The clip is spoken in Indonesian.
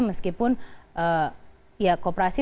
meskipun ya kooperasi